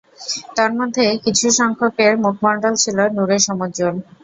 তন্মধ্যে কিছুসংখ্যকের মুখমণ্ডল ছিল নূরে সমুজ্জ্বল।